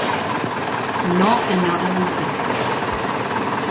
No en orden de aparición.